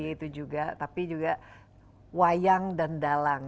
itu juga tapi juga wayang dan dalang